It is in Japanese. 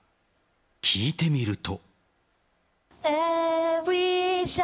聞いてみると。